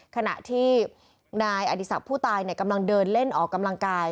ขณะที่นายอดีศักดิ์ผู้ตายกำลังเดินเล่นออกกำลังกาย